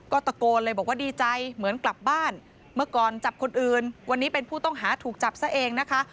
ก็ตะโกนเลยบอกว่าดีใจเหมือนกลับบ้านเมื่อก่อนจับคนอื่นวันนี้เป็นผู้ต้องหาถูกจับซะเองนะคะ